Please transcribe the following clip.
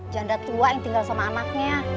janda tua yang tinggal sama anaknya